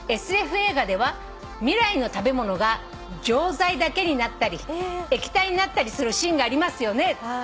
「ＳＦ映画では未来の食べ物が錠剤だけになったり液体になったりするシーンがありますよね」